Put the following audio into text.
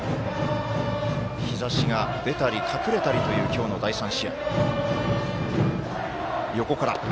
日ざしが出たり隠れたりという今日の第３試合。